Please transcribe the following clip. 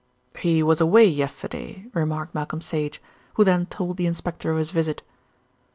"He was away yesterday," remarked Malcolm Sage, who then told the inspector of his visit.